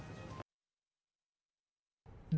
halil mengaku sejak reklamasi ini sudah terjadi